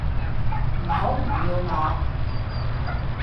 唔好唔要我